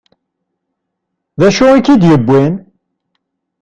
D acu i k-id-yewwin?